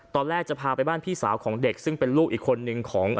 ตอนแรกจะพาไปบ้านพี่สาวของเด็กซึ่งเป็นลูกอีกคนนึงของ